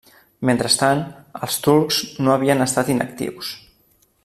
Mentrestant, els turcs no havien estat inactius.